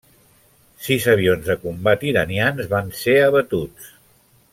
Sis avions de combat iranians van ser abatuts.